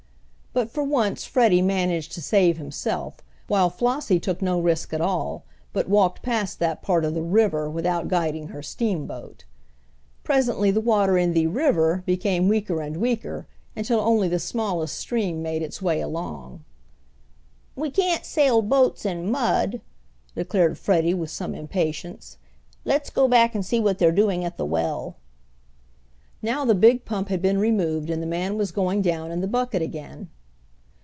But for once Freddie managed to save himself, while Flossie took no risk at all, but walked past that part of the "river" without guiding her "steamboat." Presently the water in the "river" became weaker and weaker, until only the smallest stream made its way along. "We can't sail boats in mud," declared Freddie with some impatience. "Let's go back and see what they're doing at the well." Now the big pump had been removed and the man was going down in the bucket again.